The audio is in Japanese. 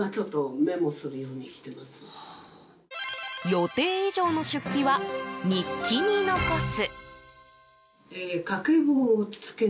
予定以上の出費は日記に残す。